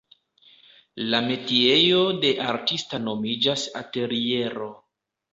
La metiejo de artista nomiĝas ateliero.